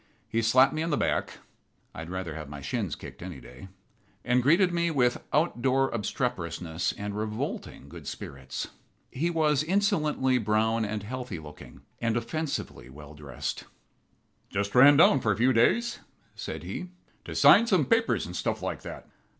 He slapped me on the back (I would rather have my shins kicked any day), and greeted me with out door obstreperousness and revolting good spirits. He was insolently brown and healthy looking, and offensively well dressed. "Just ran down for a few days," said he, "to sign some papers and stuff like that.